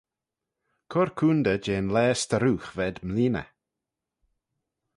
Cur coontey jeh'n laa s'tarroogh v'ayd mleeaney.